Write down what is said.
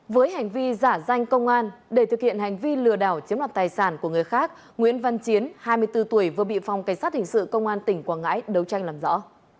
với hành vi giả danh công an để thực hiện hành vi lừa đảo chiếm đoạt tài sản của người khác nguyễn văn chiến hai mươi bốn tuổi vừa bị phòng cảnh sát hình sự công an tỉnh quảng ngãi đấu tranh làm rõ